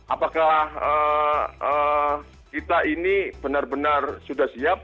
apakah kita ini benar benar sudah siap